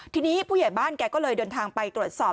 ทีนี้ผู้ใหญ่บ้านแกก็เลยเดินทางไปตรวจสอบ